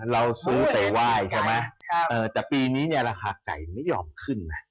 เราซื้อไปไหว้ใช่ไหมแต่ปีนี้เนี่ยราคาไก่ไม่ยอมขึ้นนะ